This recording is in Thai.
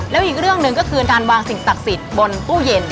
แล้วอีกเรื่องหนึ่งก็คือการวางสิ่งศักดิ์สิทธิ์บนตู้เย็น